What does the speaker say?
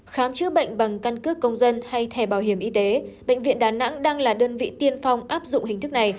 khám chữa bệnh bằng căn cước công dân hay thẻ bảo hiểm y tế bệnh viện đà nẵng đang là đơn vị tiên phong áp dụng hình thức này